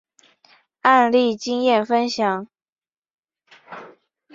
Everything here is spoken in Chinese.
案例经验分享